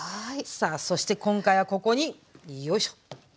さあそして今回はここによいしょ。